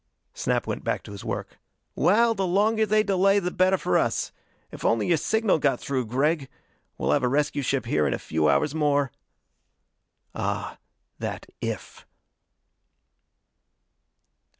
Snap went back to his work. "Well, the longer they delay, the better for us. If only your signal got through, Gregg! We'll have a rescue ship here in a few hours more." Ah, that "if!"